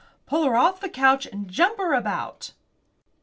Pull her off the couch and jump her about!"